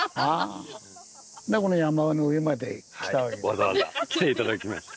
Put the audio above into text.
わざわざ来て頂きました。